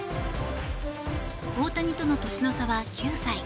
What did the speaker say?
大谷との年の差は９歳。